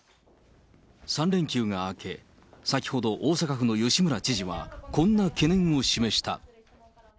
３連休が明け、先ほど、大阪府の吉村知事は、こんな懸念を示した。